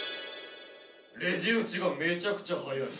レジ打ちがめちゃくちゃ速い。